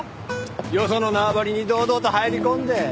よその縄張りに堂々と入り込んで。